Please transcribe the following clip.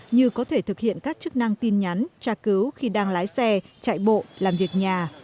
như có thể thực hiện các chức năng tin nhắn tra cứu khi đang lái xe chạy bộ làm việc nhà